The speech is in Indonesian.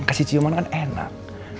kasih ciuman kan enak